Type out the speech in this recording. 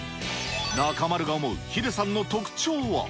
中丸が思うヒデさんの特徴は。